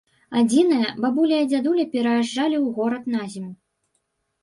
Адзінае, бабуля і дзядуля пераязджалі ў горад на зіму.